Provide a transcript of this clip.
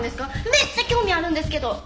めっちゃ興味あるんですけど！